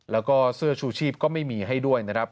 แล้วก็เสื้อชูชีพก็ไม่มีให้ด้วยนะครับ